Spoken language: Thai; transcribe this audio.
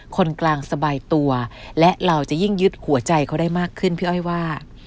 คนกลางสบายตัวและเราจะยิ่งยึดหัวใจเขาได้มากขึ้นพี่อ้อยว่า